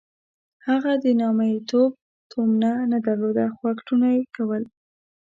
هغه د نامیتوب تومنه نه درلوده خو اکټونه یې کول.